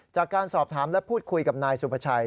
จากการสอบถามและพูดคุยกับนายสุภาชัย